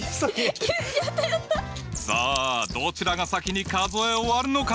さあどちらが先に数え終わるのか？